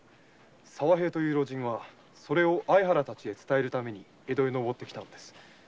沢平という老人はそれを相原たちへ伝えるために江戸へ上って来たのです。